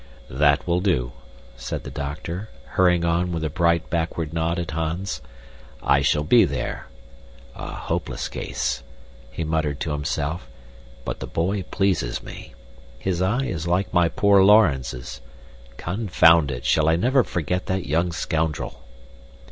"That will do," said the doctor, hurrying on with a bright backward nod at Hans. "I shall be there. A hopeless case," he muttered to himself, "but the boy pleases me. His eye is like my poor Laurens's. Confound it, shall I never forget that young scoundrel!"